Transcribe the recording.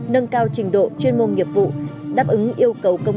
không cần bỏ bỏ như xuyên